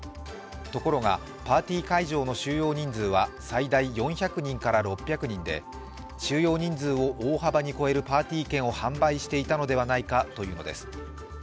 ところがパーティー会場の収容人数は最大４００人から６００人で収容人数を大幅に超えるパーティー券を販売していたのではないかというのです。